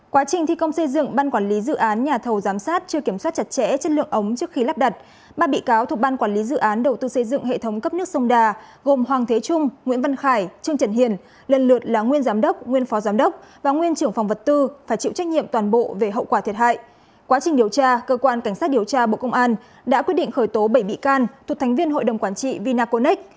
quá trình điều tra cơ quan cảnh sát điều tra bộ công an đã quyết định khởi tố bảy bị can thuộc thánh viên hội đồng quản trị vinaconex